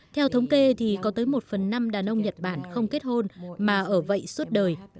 theo thống kê thì có tới một phần năm đàn ông nhật bản không kết hôn mà ở vậy suốt đời